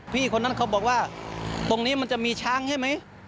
คนนั้นเขาบอกว่าตรงนี้มันจะมีช้างใช่ไหม